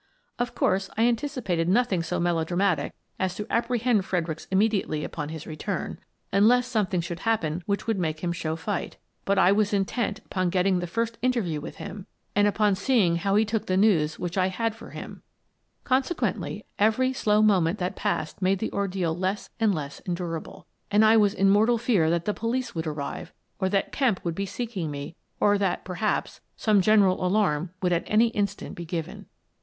Of course, I anticipated nothing so melodramatic as to apprehend Fredericks immediately upon his return, — unless something should happen which would make him show fight, — but I was intent upon getting the first interview with him and upon 76 Miss Frances Baird, Detective seeing how he took the news which I had for hirti. Consequently, every slow moment that passed made the ordeal less and less endurable, and I was in mortal fear that the police would arrive, or that Kemp would be seeking me, or that, perhaps, some general alarm would at any instant be given.